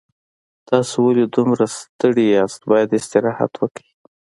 تاسو ولې دومره ستړي یې باید استراحت وکړئ